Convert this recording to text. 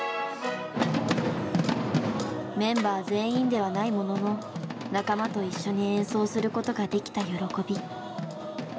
メンバー全員ではないものの仲間と一緒に演奏することができた喜び。